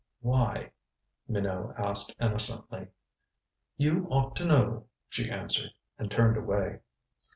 "Why?" Minot asked innocently. "You ought to know," she answered, and turned away.